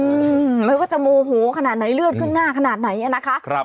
อืมไม่ว่าจะโมโหขนาดไหนเลือดขึ้นหน้าขนาดไหนอ่ะนะคะครับ